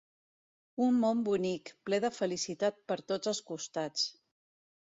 Un món bonic, ple de felicitat per tots els costats.